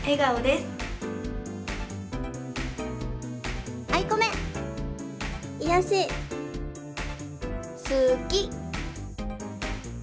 「すき」。